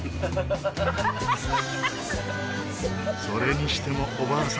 それにしてもおばあさんたち